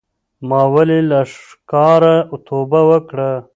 ما ولې له ښکاره توبه وکړه